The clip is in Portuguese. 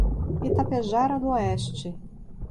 Itapejara d'Oeste